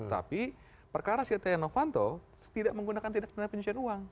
tapi perkara syed tengfanto tidak menggunakan tindak benar penyusian uang